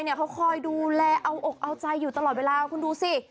เขาคอยดูแลเอาอกเอาใจอยู่ตลอดเวลาคุณดูสิ